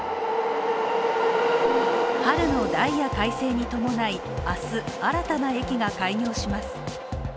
春のダイヤ改正に伴い明日、新たな駅が開業します。